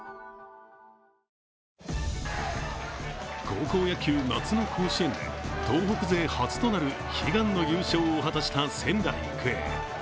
高校野球、夏の甲子園で東北勢初となる悲願の優勝を果たした仙台育英。